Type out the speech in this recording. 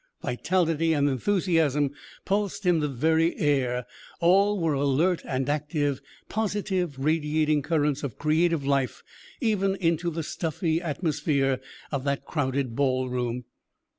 Vitality and enthusiasm pulsed in the very air; all were alert and active, positive, radiating currents of creative life even into the stuffy atmosphere of that crowded ball room.